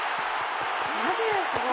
マジですごい。